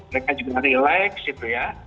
mereka juga relax gitu ya